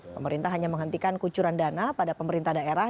pemerintah hanya menghentikan kucuran dana pada pemerintah daerah